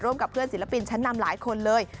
กับเพื่อนศิลปินชั้นนำหลายคนเลย